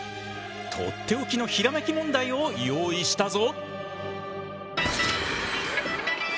とっておきのひらめき問題を用意したぞ。